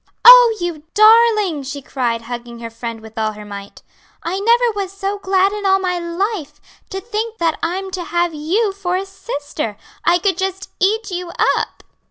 "Oh, you darling!" she cried, hugging her friend with all her might. "I never was so glad in all my life! To think that I'm to have you for a sister! I could just eat you up!"